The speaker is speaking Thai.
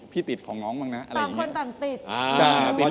เป็นภาระอุดเลย